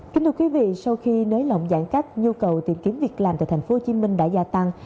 kính thưa quý vị sau khi nới lỏng giãn cách nhu cầu tìm kiếm việc làm tại tp hcm đã gia tăng